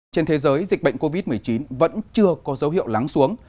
trên thế giới dịch bệnh covid một mươi chín vẫn chưa có dấu hiệu lắng xuống